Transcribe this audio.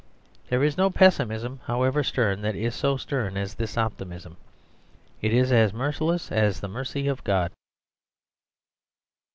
There is no pessimism, however stern, that is so stern as this optimism, it is as merciless as the mercy of God.